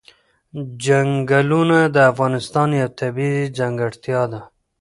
چنګلونه د افغانستان یوه طبیعي ځانګړتیا ده.